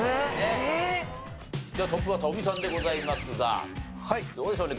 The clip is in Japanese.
ではトップバッター尾美さんでございますがどうでしょうね？